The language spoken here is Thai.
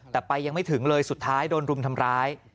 แต่ไปยังไม่ถึงเลยสุดท้ายโดนรุมทำร้าย